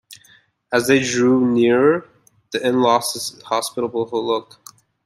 As they drew nearer, the inn lost its hospitable look.